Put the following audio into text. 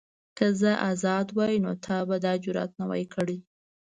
که زه ازاد وای نو تا به دا جرئت نه وای کړی.